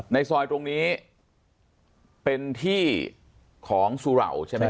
ในซอยตรงนี้เป็นที่ของสุเหล่าใช่ไหม